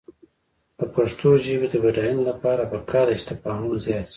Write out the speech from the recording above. د پښتو ژبې د بډاینې لپاره پکار ده چې تفاهم زیات شي.